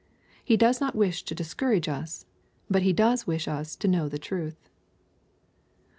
He does not wish to discourage us, but He does wish us to know the truth.